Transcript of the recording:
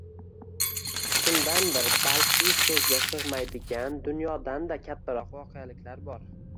Shundandir balki soʻzga sigʻmaydigan, dunyodan-da kattaroq voqeliklar bor.